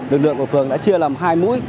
lực lượng của phường đã chia làm hai mũi